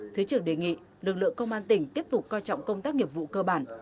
thứ trưởng đề nghị lực lượng công an tỉnh tiếp tục coi trọng công tác nghiệp vụ cơ bản